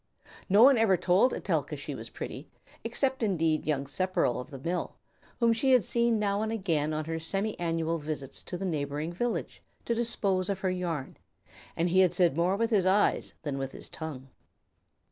No one had ever told Etelka that she was pretty, except indeed young Sepperl of the Mill, whom she had seen now and again on her semi annual visits to the neighboring village to dispose of her yarn, and he had said more with his eyes than with his tongue!